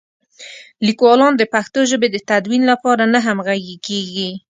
لیکوالان د پښتو ژبې د تدوین لپاره نه همغږي کېږي.